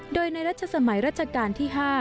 โดยในรัชสมัยรัชกาลที่๕